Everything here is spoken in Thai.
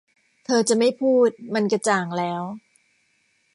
เธอจะไม่พูด มันกระจ่างแล้ว